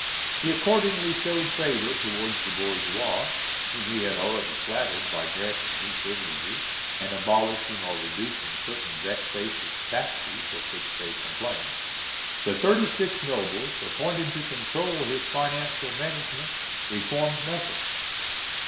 He accordingly showed favour towards the bourgeois, whom he had already flattered, by granting new privileges, and abolishing or reducing certain vexatious taxes of which they complained. The thirty six notables appointed to control his financial management reformed nothing.